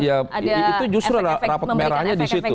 ada efek efek merahnya disitu